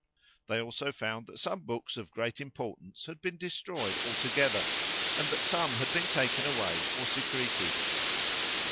They also found that some books of great importance had been destroyed altogether, and that some had been taken away or secreted.